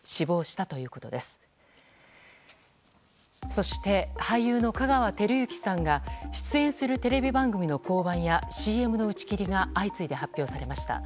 そして、俳優の香川照之さんが出演するテレビ番組の降板やＣＭの打ち切りが相次いで発表されました。